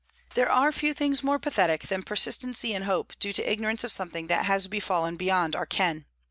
There are few things more pathetic than persistency in hope due to ignorance of something that has befallen beyond our ken.